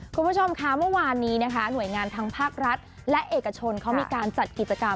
คุณผู้ชมคะเมื่อวานนี้นะคะหน่วยงานทางภาครัฐและเอกชนเขามีการจัดกิจกรรม